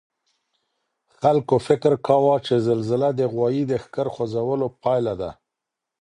خلګو فکر کاوه چي زلزله د غوايي د ښکر خوځولو پایله ده.